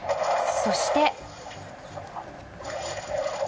そして。